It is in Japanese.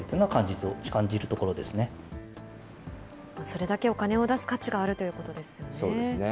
それだけお金を出す価値があるということですよね。